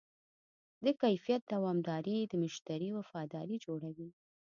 د کیفیت دوامداري د مشتری وفاداري جوړوي.